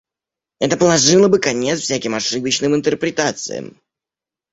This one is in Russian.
Это положило бы конец всяким ошибочным интерпретациям.